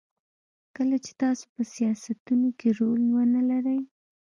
کله چې تاسو په سیاستونو کې رول ونلرئ.